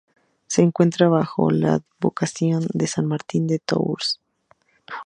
Se encuentra bajo la advocación de san Martín de Tours.